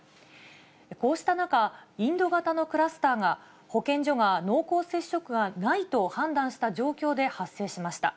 こうした中、インド型のクラスターが、保健所が濃厚接触がないと判断した状況で発生しました。